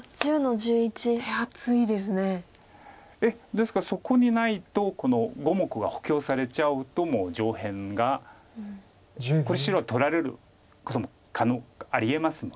ですからそこにないとこの５目が補強されちゃうともう上辺がこれ白は取られることもありえますので。